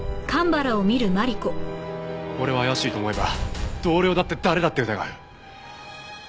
俺は怪しいと思えば同僚だって誰だって疑う。